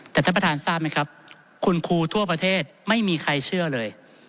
แต่ท่านประธานทราบไหมครับคุณครูทั่วประเทศไม่มีใครเชื่อเลย